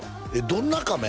どんなカメ？